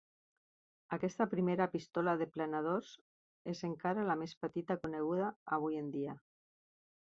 Aquesta primera pistola de planadors és encara la més petita coneguda avui en dia.